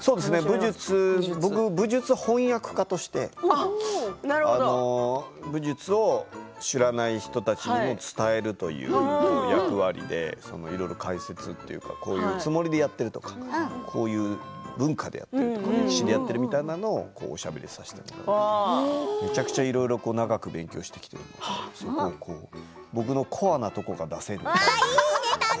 僕、武術翻訳家として武術を知らない人たちにも伝えるという役割でいろいろ解説というかそういうつもりでやっているとかこういう文化やってるとか歴史でやっているとおしゃべりさせてもらっていてめちゃくちゃいろいろ長く勉強してきて僕のコアなところが出せる。